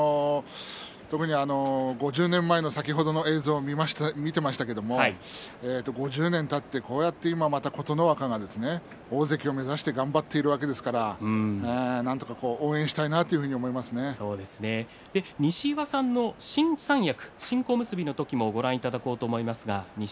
特に５０年前の先ほどの映像を見ていましたけれども５０年たって、こうやって今また琴ノ若が大関を目指して頑張っているわけですからなんとか応援したいなと西岩さんが新三役新小結の時もご覧いただきます。